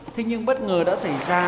thế nhưng bất ngờ đã xảy ra